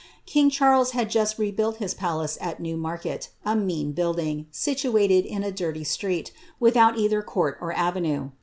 King Charles had just rebuilt his palace at Newmarket^ a mean building, situated in a dirty street, without either court or avenue.